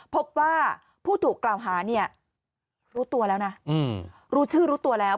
พบว่าผู้ถูกกล่าวหาเนี่ยรู้ตัวแล้วนะรู้ชื่อรู้ตัวแล้ว